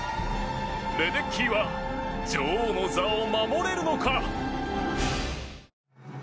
レデッキーは女王の座を守れるのか。